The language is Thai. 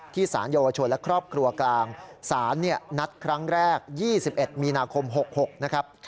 สารเยาวชนและครอบครัวกลางศาลนัดครั้งแรก๒๑มีนาคม๖๖นะครับ